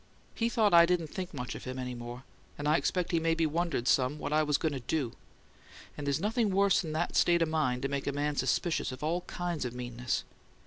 He thought I didn't think much of him any more and I expect he maybe wondered some what I was going to DO and there's nothing worse'n that state of mind to make a man suspicious of all kinds of meanness.